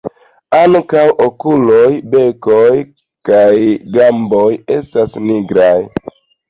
Ankaŭ okuloj, beko kaj gamboj estas nigraj.